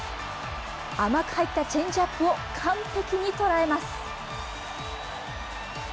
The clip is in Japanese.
甘く入ったチェンジアップを完璧に捉えます。